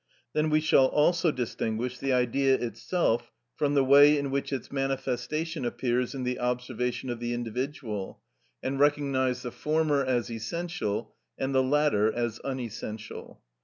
Then we shall also distinguish the Idea itself from the way in which its manifestation appears in the observation of the individual, and recognise the former as essential and the latter as unessential.